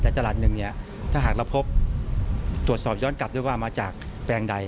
แต่ตลาดหนึ่งเนี่ยถ้าหากเราพบตรวจสอบย้อนกลับด้วยว่ามาจากแปลงใด